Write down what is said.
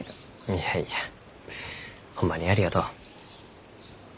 いやいやホンマにありがとう。